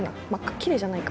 きれいじゃないか？